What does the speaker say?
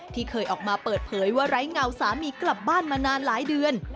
ที่เคยออกมาเปิดเผยว่าไร้เงาสามีกลับบ้านมานานหลายเดือน